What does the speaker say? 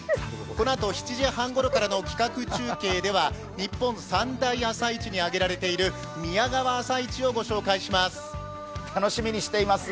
このあと７時半ごろからの企画中継では日本三大朝市に挙げられている宮川朝市を御紹介します。